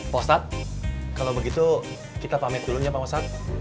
ustadz kalau begitu kita pamit dulunya pak ustadz